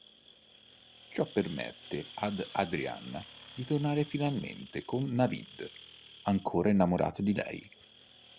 Ciò permette ad Adrianna di tornare finalmente con Navid, ancora innamorato di lei.